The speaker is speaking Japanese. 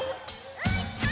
「うーたん！！！」